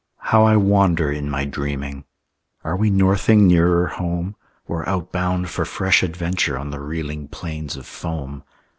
How I wander in my dreaming! Are we northing nearer home, Or outbound for fresh adventure On the reeling plains of foam?